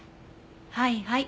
はいはい。